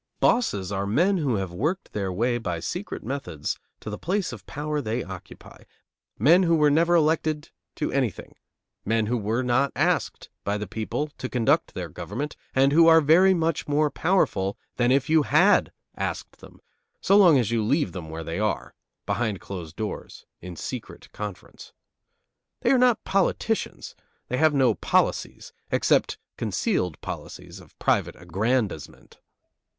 Bosses are men who have worked their way by secret methods to the place of power they occupy; men who were never elected to anything; men who were not asked by the people to conduct their government, and who are very much more powerful than if you had asked them, so long as you leave them where they are, behind closed doors, in secret conference. They are not politicians; they have no policies, except concealed policies of private aggrandizement.